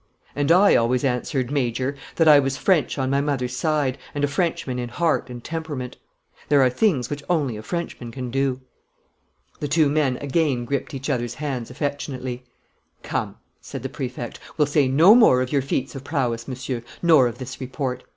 "And I always answered, Major, that I was French on my mother's side and a Frenchman in heart and temperament. There are things which only a Frenchman can do." The two men again gripped each other's hands affectionately. "Come," said the Prefect, "we'll say no more of your feats of prowess, Monsieur, nor of this report.